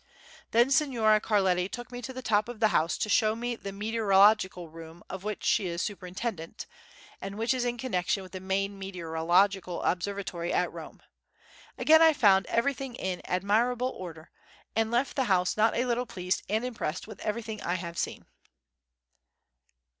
Then Signora Carletti took me to the top of the house to show me the meteorological room of which she is superintendent, and which is in connection with the main meteorological observatory at Rome. Again I found everything in admirable order, and left the house not a little pleased and impressed with everything I had seen.